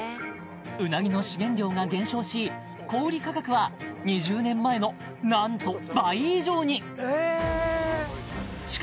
うなぎの資源量が減少し小売価格は２０年前のなんと倍以上にえっ！